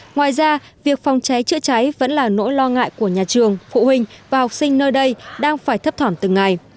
ngoài ra việc phòng cháy chữa cháy vẫn là nỗi lo ngại của nhà trường phụ huynh và học sinh nơi đây đang phải thấp thỏm từng ngày